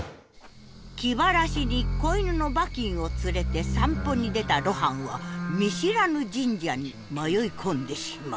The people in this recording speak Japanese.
気晴らしに子犬のバキンを連れて散歩に出た露伴は見知らぬ神社に迷い込んでしまう。